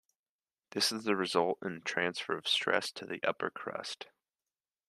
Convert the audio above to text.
This results in a transfer of stress to the upper crust.